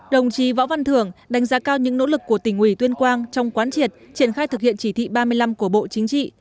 đồng chí võ văn thưởng đánh giá cao những nỗ lực của tỉnh ủy tuyên quang trong quán triệt triển khai thực hiện chỉ thị ba mươi năm của bộ chính trị